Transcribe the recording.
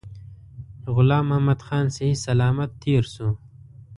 غلام محمدخان صحی سلامت تېر شو.